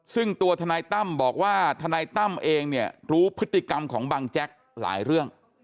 ซึ่งตัวทนายตั้มบอกว่าทนายตั้มเองเนี่ยรู้พฤติกรรมของบังแจ๊กหลายเรื่อง